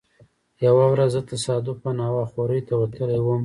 یوه ورځ زه تصادفا هوا خورۍ ته وتلی وم.